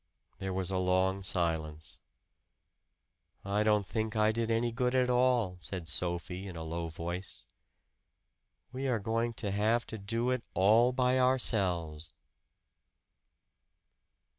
There was a long silence. "I don't think I did any good at all," said Sophie in a low voice. "We are going to have to do it all by ourselves."